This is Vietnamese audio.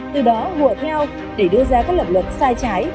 từ đó hùa theo để đưa ra các lập luận sai trái